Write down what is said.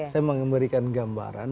saya memberikan gambaran